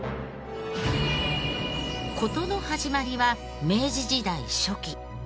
事の始まりは明治時代初期。